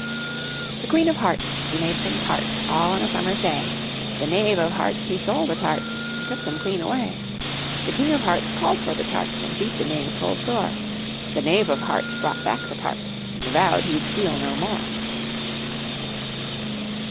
The Queen of Hearts, She made some tarts All on a summer's day; The Knave of Hearts, He stole those tarts, And took them clean away. The King of Hearts Called for the tarts, And beat the Knave full sore; The Knave of Hearts Brought back the tarts, And vowed he'd steal no more.